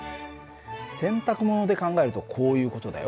洗濯物で考えるとこういう事だよ。